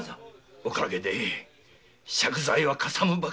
おかげで借財はかさむばかり。